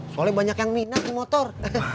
soalnya banyak yang minat di motor